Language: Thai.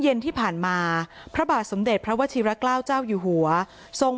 เย็นที่ผ่านมาพระบาทสมเด็จพระวชิระเกล้าเจ้าอยู่หัวทรง